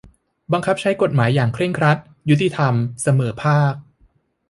บังคับใช้กฎหมายอย่างเคร่งครัด ยุติธรรม เสมอภาค